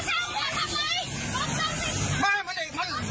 เปิดกระจกให้ไฟเขียวไฟแดงมาเปิดกระจกเลยพ่อ